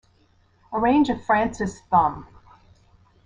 Arranger Frances Thumm.